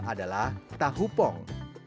adalah tahu pong